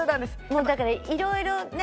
もうだからいろいろね